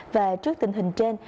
và trước tình hình trên